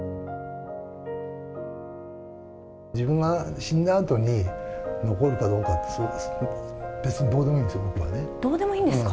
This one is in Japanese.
自分が死んだあとに残るかどうかは、別にどうでもいいんですどうでもいいんですか？